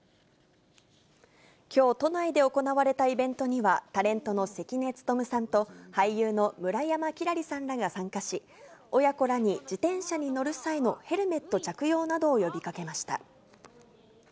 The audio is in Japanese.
きょう、都内で行われたイベントには、タレントの関根勤さんと、俳優の村山輝星さんらが参加し、親子らに、自転車に乗る際のヘルメット着用などを呼びかけました。